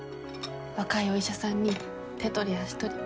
若いお医者さんに手取り足取り。